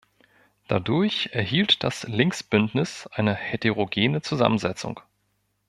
Dadurch erhielt das Linksbündnis eine heterogene Zusammensetzung.